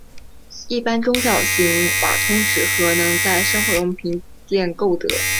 一般中小型瓦通纸盒能在生活用品店购得。